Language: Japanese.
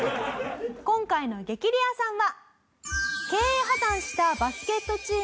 今回の激レアさんは。